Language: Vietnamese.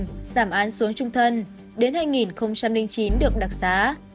giảm án xuống trung thân đến hai nghìn chín được đặc xá